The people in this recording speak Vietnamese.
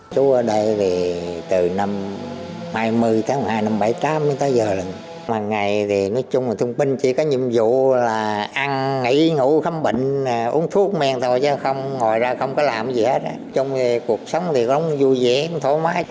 cuộc sống thì không vui vẻ không thoải mái